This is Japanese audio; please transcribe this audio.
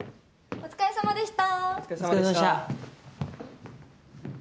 お疲れさまでした。